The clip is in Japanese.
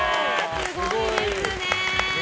すごいですね。